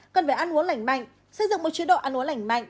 cần về ăn uống lảnh mạnh xây dựng một chế độ ăn uống lảnh mạnh